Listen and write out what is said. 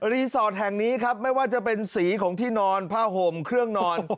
รีสอร์ทแห่งนี้ครับไม่ว่าจะเป็นสีของที่นอนผ้าห่มเครื่องนอน